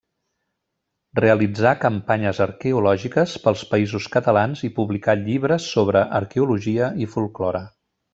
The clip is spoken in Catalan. Realitzà campanyes arqueològiques pels Països Catalans i publicà llibres sobre arqueologia i folklore.